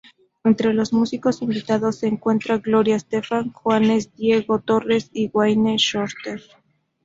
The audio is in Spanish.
Entre los músicos invitados se encuentran Gloria Estefan, Juanes, Diego Torres y Wayne Shorter.